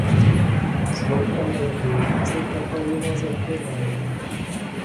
Svou energii si kapalina zachovává.